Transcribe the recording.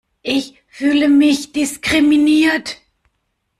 Ich fühle mich diskriminiert!